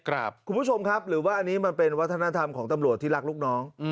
คุณผู้ชมครับหรือว่าอันนี้มันเป็นวัฒนธรรมของตำรวจที่รักลูกน้อง